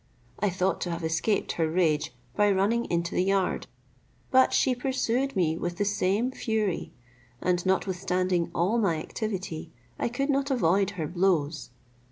I thought to have escaped her rage, by running into the yard; but she pursued me with the same fury, and notwithstanding all my activity I could not avoid her blows.